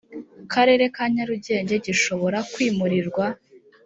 karere ka nyarugenge gishobora kwimurirwa